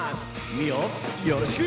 ミオよろしく！